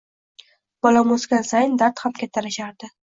Bolam o`sgan sayin dard ham kattalashardi